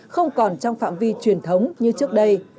không còn trong phạm vi truyền thống như trước đây